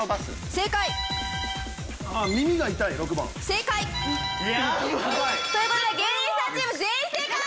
正解。という事で芸人さんチーム全員正解！